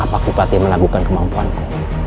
apakah kupati melakukan kemampuanku